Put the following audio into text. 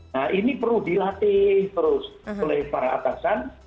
nah ini perlu dilatih terus oleh para atasan